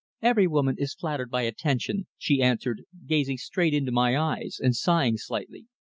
Every woman is flattered by attention," she answered, gazing straight into my eyes, and sighing slightly.